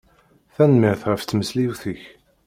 Tanemmirt ɣef tmesliwt-ik.